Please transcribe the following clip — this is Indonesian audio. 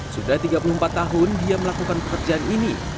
sudah tiga puluh empat tahun dia melakukan pekerjaan ini